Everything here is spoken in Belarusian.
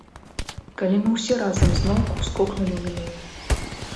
Калі мы ўсе разам зноўку скокнулі ў мінулае.